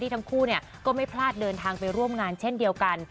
ทั้งคู่ก็ไม่พลาดเดินทางไปร่วมงานเช่นเดียวกัน